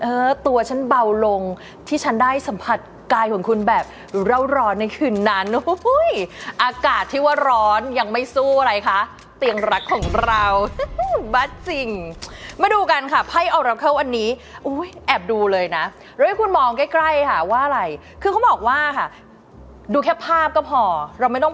เออตัวฉันเบาลงที่ฉันได้สัมผัสกายของคุณแบบร่าวร้อนในคืนนั้น